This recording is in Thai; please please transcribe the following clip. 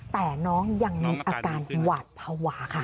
แต่น้องยังมีอาการหวาดภาวะค่ะ